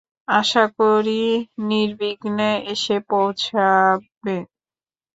আশা করি নির্বিঘ্নে এসে পৌঁছবে।